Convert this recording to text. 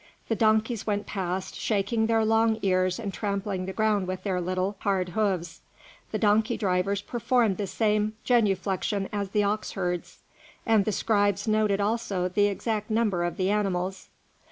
The donkeys went past, shaking their long ears and trampling the ground with their little, hard hoofs. The donkey drivers performed the same genuflection as the ox herds, and the scribes noted also the exact number of the animals.